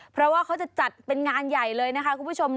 เพราะว่าเขาจะจัดเป็นงานใหญ่เลยนะคะคุณผู้ชม